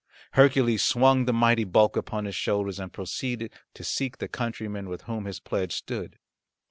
Hercules swung the mighty bulk upon his shoulders and proceeded to seek the countryman with whom his pledge stood.